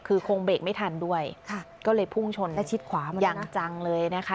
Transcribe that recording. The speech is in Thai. คือคงเบรกไม่ทันด้วยค่ะก็เลยพุ่งชนและชิดขวามาอย่างจังเลยนะคะ